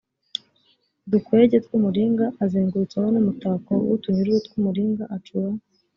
dukwege tw umuringa azengurutsaho n umutako w utunyururu tw umuringa acura